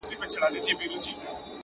هره هڅه ځانګړی اثر لري!.